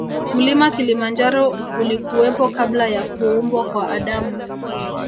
Mlima kilimanjaro ulikuwepo kabla ya kuumbwa kwa adamu